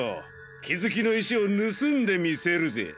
きづきのいしをぬすんでみせるぜ！